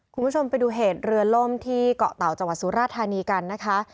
คุณผู้ชมไปดูเหตุเรือล่มที่เกาะเต่าจังหวัดสุราธานีกันนะคะ